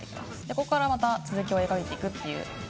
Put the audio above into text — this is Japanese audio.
ここからまた続きを描いていくっていう。